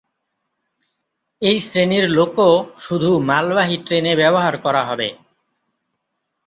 এই শ্রেণীর লোকো শুধু মালবাহী ট্রেনে ব্যবহার করা হবে।